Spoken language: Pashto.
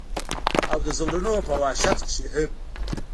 او د زولنو پۀ وحشت کښې هم